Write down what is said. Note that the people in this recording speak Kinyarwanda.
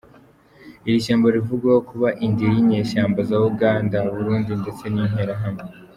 Iri shyamba rivugwaho kuba indiri y’inyeshyamaba za Uganda, Burundi ndetse n’Interahamwe.